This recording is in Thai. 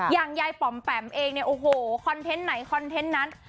ยายป๋อมแปมเองเนี่ยโอ้โหคอนเทนต์ไหนคอนเทนต์นั้น